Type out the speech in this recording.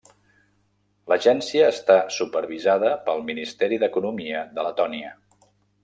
L'agència està supervisada pel Ministeri d'Economia de Letònia.